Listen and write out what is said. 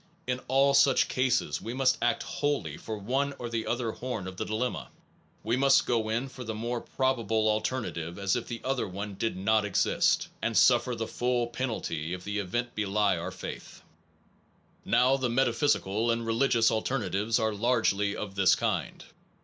In all such cases we must act wholly for one or the other horn of the dilemma. We must go in for the more probable alternative as if the other one did not exist, and suffer the full penalty if the event belie our faith. 227 APPENDIX Now the metaphysical and religious alternatives are largely of this kind.